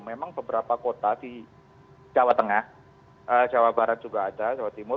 memang beberapa kota di jawa tengah jawa barat juga ada jawa timur